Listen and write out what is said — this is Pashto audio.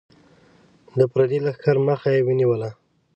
د پردي لښکر مخه یې ونیوله.